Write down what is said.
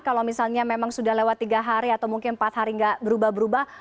kalau misalnya memang sudah lewat tiga hari atau mungkin empat hari nggak berubah berubah